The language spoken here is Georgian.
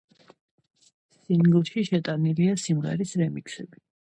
სინგლში შეტანილია სიმღერის რემიქსები.